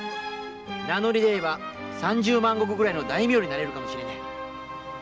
名のり出れば三十万石ぐらいの大名になれるかもしれねえ。